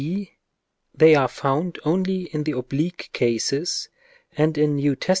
Ὁ. They are found only in the oblique cases, and in N, T.